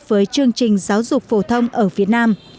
với chương trình giáo dục phổ thông ở việt nam